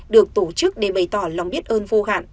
được tổ chức để bày tỏ lòng biết ơn vô hạn